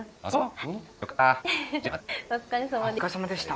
はいお疲れさまでした。